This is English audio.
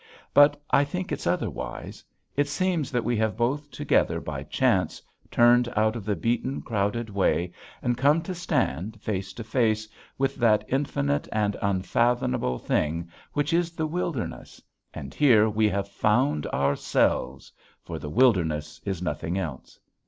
But I think it's otherwise. It seems that we have both together by chance turned out of the beaten, crowded way and come to stand face to face with that infinite and unfathomable thing which is the wilderness; and here we have found OURSELVES for the wilderness is nothing else.